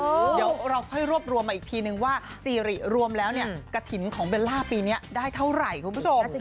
เดี๋ยวเราค่อยรวบรวมมาอีกทีนึงว่าซีริรวมแล้วเนี่ยกระถิ่นของเบลล่าปีนี้ได้เท่าไหร่คุณผู้ชม